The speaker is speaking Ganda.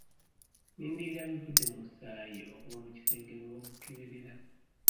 Nnindirira bivudde mu musaayi okuva mu kisenge mwe bagukeberera.